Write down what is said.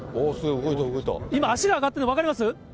今、足が上がってるの分かります？